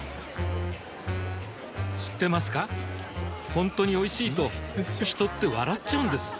ほんとにおいしいと人って笑っちゃうんです